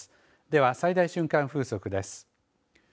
では最大瞬間風速です。